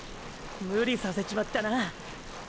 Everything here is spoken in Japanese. ムリさせちまったな！！